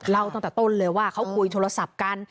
เล่าตั้งแต่ต้นเลยว่าเขาคุยโทรศัพท์กัน